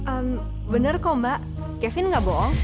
ehm bener kok mbak kevin gak bohong